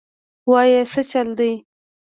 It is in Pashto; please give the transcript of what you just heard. وايه سه چل دې.